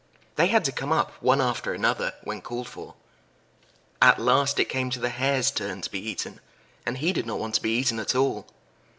They had to come up one after another, when called for. At last it came to the Hare's turn to be eaten, and he did not want to be eaten at all.